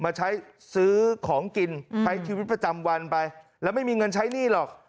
มาใช้ซื้อของกินใช้ชีวิตประจำวันไปแล้วไม่มีเงินใช้หนี้หรอก